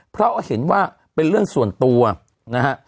เพราะเห็นว่าเป็นเรื่องส่วนตัวนะฮะ